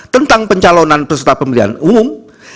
tentang pencalonan peserta pemilihan umum